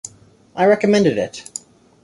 I recommended it.